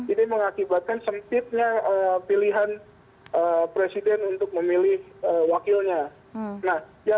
ini mengakibatkan sempitnya pilihan presiden untuk memilih wakilnya